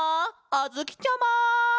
あづきちゃま！